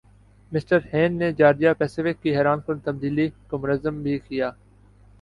mister ہین نے Georgia Pacific کی حیرانکن تبدیلی کو منظم بھِی کِیا